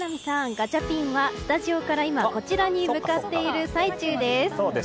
ガチャピンはスタジオからこちらに向かっている最中です。